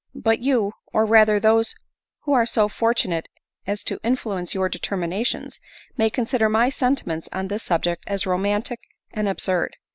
But you, or rather those who are so fortunate as to influence your determinations, may consider my sen timents on this subject as romantic and absurd.